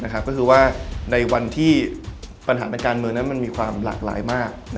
ก็คือว่าในวันที่ปัญหาทางการเมืองนั้นมันมีความหลากหลายมาก